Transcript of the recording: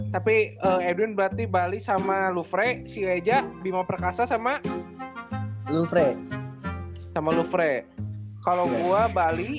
tapi edwin berarti bali sama lofre si eja bima perkasa sama lu fre sama lofre kalau gua bali